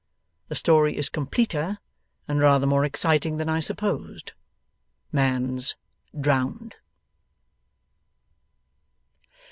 The story is completer and rather more exciting than I supposed. Man's drowned!